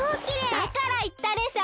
だからいったでしょ？